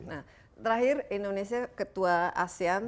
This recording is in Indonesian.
nah terakhir indonesia ketua asean